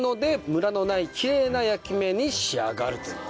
ムラのないきれいな焼き目に仕上がるという。